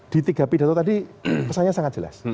di tiga pidato tadi pesannya sangat jelas